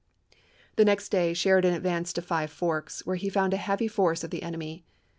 The next day Sheridan advanced to Five Forks, where he found a heavy force of the enemy.